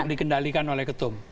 untuk dikendalikan oleh ketum